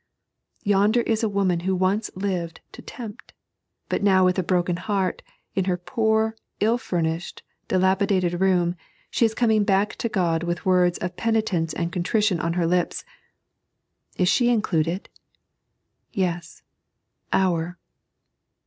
Yonder is a woman who once lived to tempt, but now with a broken heart, in her poor, ill fumiahed, dilapi dated room, she is coming back to God, with words of penitence and contrition on her lips : is she included i Yes —" our."